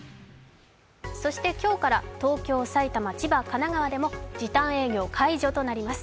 そして今日から東京、埼玉神奈川、千葉でも時短営業解除となります。